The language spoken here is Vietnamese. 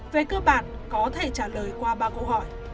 về cơ bản có thể trả lời qua ba câu hỏi